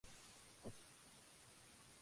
En cualquier caso nunca se produce oxígeno.